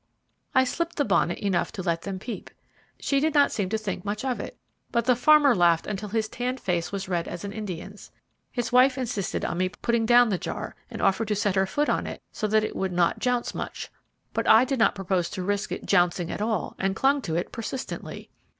I slipped the bonnet enough to let them peep. She did not seem to think much of it, but the farmer laughed until his tanned face was red as an Indian's. His wife insisted on me putting down the jar, and offered to set her foot on it so that it would not 'jounce' much, but I did not propose to risk it 'jouncing' at all, and clung to it persistently.